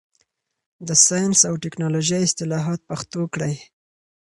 د ساینس او ټکنالوژۍ اصطلاحات پښتو کړئ.